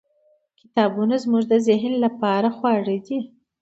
. کتابونه زموږ د ذهن لپاره خواړه دي.